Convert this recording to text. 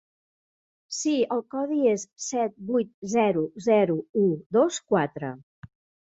Sí el codi és set vuit zero zero u dos quatre.